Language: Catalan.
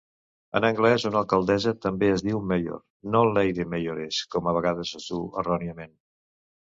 En anglès, una alcaldessa també es diu "mayor" no "Lady Mayoress" com a vegades es dur erròniament.